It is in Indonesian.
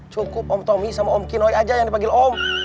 cukup om tommy sama om kinoi aja yang dipanggil om